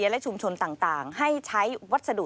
และชุมชนต่างให้ใช้วัสดุ